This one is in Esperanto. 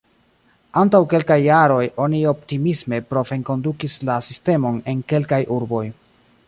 Antaŭ kelkaj jaroj oni optimisme prov-enkondukis la sistemon en kelkaj urboj.